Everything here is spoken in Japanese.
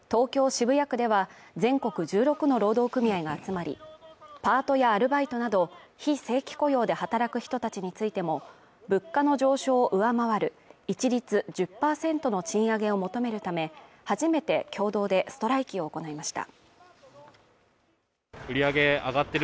渋谷区では全国１６の労働組合が集まり、パートやアルバイトなど非正規雇用で働く人たちについても、物価の上昇を上回る一律１０％の賃上げを求めるため、初めて共同でストライキを行いました。